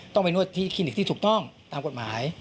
ต้องไปนวดที่คลินิกที่ถูกต้องตามกฎหมาย